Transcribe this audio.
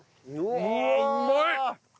うわあうまいっ！